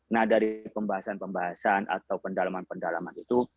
nah dari pembahasan pembahasan atau pendalaman pendalaman itu